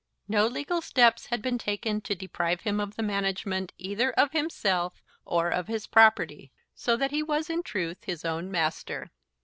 No legal steps had been taken to deprive him of the management either of himself or of his property, so that he was in truth his own master.